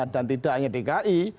dan tidak hanya dki